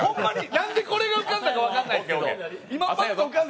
なんでこれが浮かんだか分からないですけど。